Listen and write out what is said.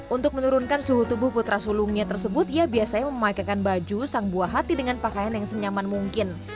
untuk menurunkan suhu tubuh putra sulungnya tersebut ia biasanya memakaikan baju sang buah hati dengan pakaian yang senyaman mungkin